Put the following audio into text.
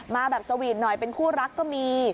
มาแบบสวีทหน่อยเป็นคู่รักก็มี